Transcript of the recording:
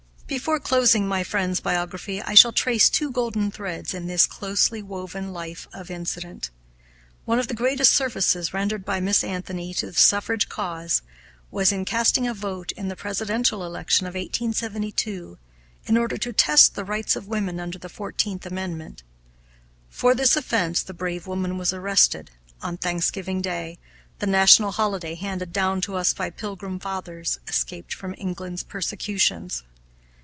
Before closing my friend's biography I shall trace two golden threads in this closely woven life of incident. One of the greatest services rendered by Miss Anthony to the suffrage cause was in casting a vote in the Presidential election of 1872, in order to test the rights of women under the Fourteenth Amendment. For this offense the brave woman was arrested, on Thanksgiving Day, the national holiday handed down to us by Pilgrim Fathers escaped from England's persecutions.